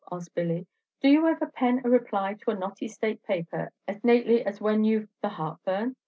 asked Billy. "Do you ever pen a reply to a knotty state paper as nately as when you've the heartburn?